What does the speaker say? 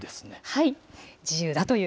はい。